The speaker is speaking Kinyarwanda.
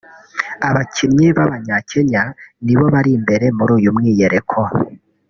abakinnyi b’Abanyakenya nibo bari imbere muri uyu mwiyereko